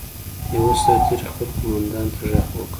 یوه سرتېري خپل قوماندان ته غږ وکړ.